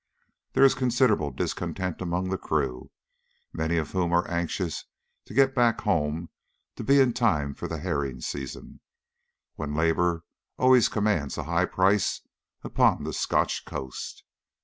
There is considerable discontent among the crew, many of whom are anxious to get back home to be in time for the herring season, when labour always commands a high price upon the Scotch coast.